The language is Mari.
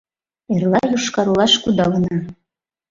Эрла Йошкар-Олаш кудалына.